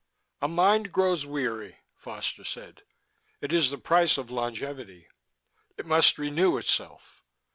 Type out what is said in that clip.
"A mind grows weary," Foster said. "It is the price of longevity. It must renew itself.